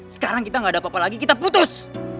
sekarang kita gak ada apa apa lagi kita putus